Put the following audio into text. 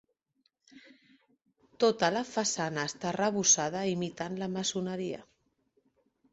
Tota la façana està arrebossada imitant la maçoneria.